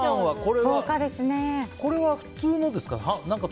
これは普通のですか？